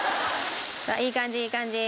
さあいい感じいい感じ。